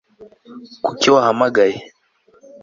kuki wahamagaye